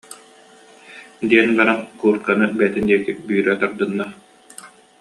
диэн баран, куурканы бэйэтин диэки бүүрэ тардынна